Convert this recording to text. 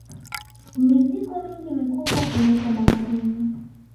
mizigo mingi mikubwa huletwa bandarini